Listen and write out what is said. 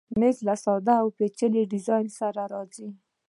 مېز له ساده او پیچلي ډیزاین سره راځي.